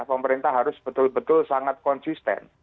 pemerintah harus betul betul sangat konsisten